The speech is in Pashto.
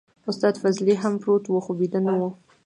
استاد فضلي هم پروت و خو بيده نه و.